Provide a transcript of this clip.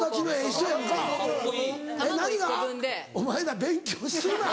お前ら勉強すな！